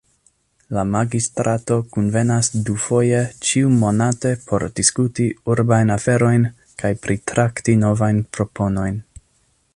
La Magistrato kunvenas dufoje ĉiu-monate por diskuti urbajn aferojn kaj pritrakti novajn proponojn.